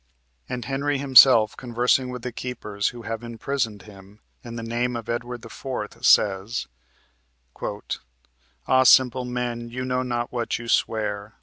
And Henry himself, conversing with the keepers who have imprisoned him in the name of Edward IV., says: "Ah, simple men! you know not what you swear.